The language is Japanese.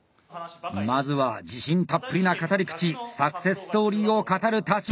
まずは自信たっぷりな語り口サクセスストーリーを語る橘。